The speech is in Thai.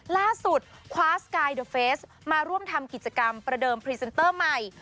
ล่าสุดคว้าสกายเดอร์เฟสมาร่วมทำกิจกรรมประเดิมพรีเซนเตอร์ใหม่